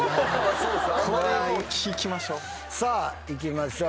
さあいきましょう。